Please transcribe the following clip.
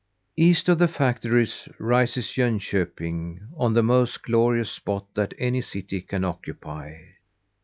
East of the factories rises Jönköping, on the most glorious spot that any city can occupy.